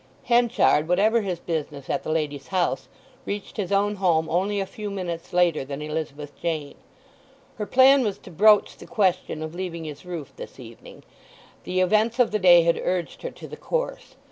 Henchard, whatever his business at the lady's house, reached his own home only a few minutes later than Elizabeth Jane. Her plan was to broach the question of leaving his roof this evening; the events of the day had urged her to the course.